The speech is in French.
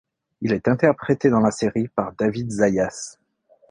Il est interprété dans la série par David Zayas.